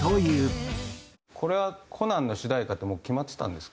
これは『コナン』の主題歌ってもう決まってたんですっけ？